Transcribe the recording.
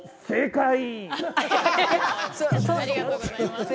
正解！